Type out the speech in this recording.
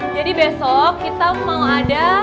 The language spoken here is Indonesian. jadi besok kita mau ada